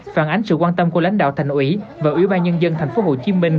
phản ánh sự quan tâm của lãnh đạo thành ủy và ủy ban nhân dân thành phố hồ chí minh